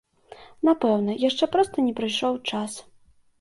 Напэўна, яшчэ проста не прыйшоў час.